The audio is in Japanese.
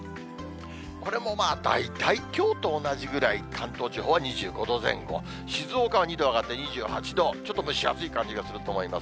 これもまあ大体きょうと同じぐらい、関東地方は２５度前後、静岡は２度上がって２８度、ちょっと蒸し暑い感じがすると思います。